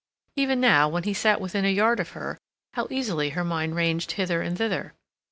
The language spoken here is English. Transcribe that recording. Even now, when he sat within a yard of her, how easily her mind ranged hither and thither!